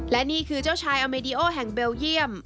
และนี่คือเจ้าชายอเมดีโอแห่งเบลเยี่ยม